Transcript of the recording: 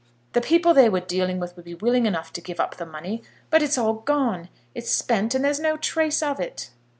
"The people they were dealing with would be willing enough to give up the money, but it's all gone. It's spent, and there's no trace of it."